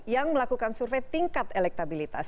yang melakukan survei tingkat elektabilitas